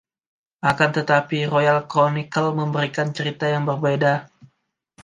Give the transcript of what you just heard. Akan tetapi, "Royal Chronicle" memberikan cerita yang berbeda.